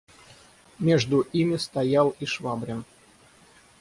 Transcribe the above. Между ими стоял и Швабрин.